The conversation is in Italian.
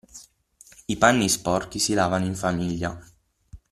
I panni sporchi si lavano in famiglia.